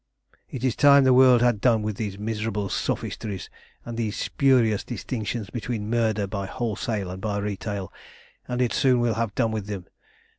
"It is time the world had done with these miserable sophistries, and these spurious distinctions between murder by wholesale and by retail, and it soon will have done with them.